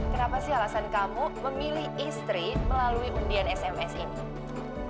kenapa sih alasan kamu memilih istri melalui undian sms ini